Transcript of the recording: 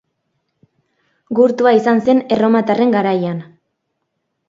Gurtua izan zen erromatarren garaian.